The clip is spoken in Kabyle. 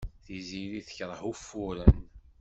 Tiziri tekṛeh ufuren.